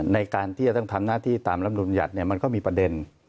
ในการที่จะต้องทำหน้าที่ตามลำดวนยัติมันก็มีประเด็น